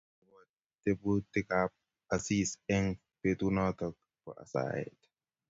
Kiirwoch agobo tebutikab Asisi eng betunoto bo saet